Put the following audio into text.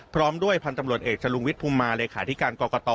พร้อมด้วยพันธุ์ตำรวจเอกจรุงวิทย์ภูมิมาเลขาธิการกรกต